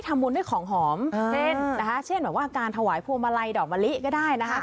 ทำบุญด้วยของหอมเช่นนะคะเช่นแบบว่าการถวายพวงมาลัยดอกมะลิก็ได้นะคะ